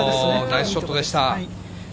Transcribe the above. ナイスショットでした。